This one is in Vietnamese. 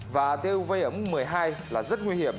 và tia uv ấm một mươi hai là rất nguy hiểm